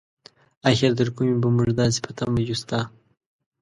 اخر تر کومې به مونږ داسې په تمه يو ستا؟